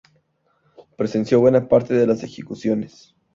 Presenció buena parte de las ejecuciones.